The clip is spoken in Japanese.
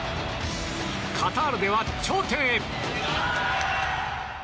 カタールでは頂点へ。